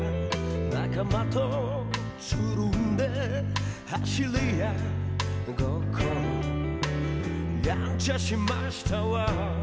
「仲間とつるんで走り屋ごっこ」「やんちゃしましたわ」